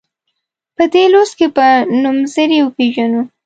په دې لوست کې به نومځري وپيژنو.